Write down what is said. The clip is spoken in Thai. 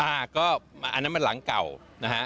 อันนั้นมันหลังเก่านะฮะ